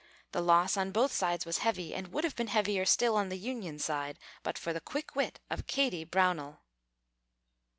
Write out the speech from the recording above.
The loss on both sides was heavy, and would have been heavier still on the Union side, but for the quick wit of Kady Brownell.